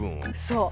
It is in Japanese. そう。